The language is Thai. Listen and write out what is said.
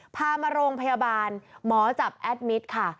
พามาโรงพยาบาลหมอจับแอดมิตรค่ะ